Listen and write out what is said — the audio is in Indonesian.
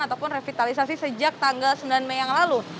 ataupun revitalisasi sejak tanggal sembilan mei yang lalu